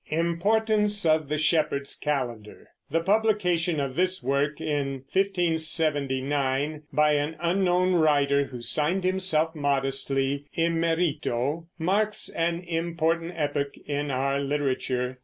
IMPORTANCE OF THE SHEPHERD'S CALENDAR. The publication of this work, in 1579, by an unknown writer who signed himself modestly "Immerito," marks an important epoch in our literature.